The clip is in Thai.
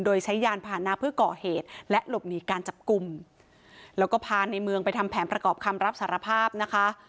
โดยใช้ยานผ่านหน้าเพื่อก่อเหตุและหลบหนีการจับกลุ่มแล้วก็พาในเมืองไปทำแผนประกอบคำรับสารภาพนะคะ